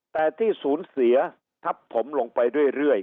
แต่ที่ศูนย์เสียทับผมลงไปเรื่อย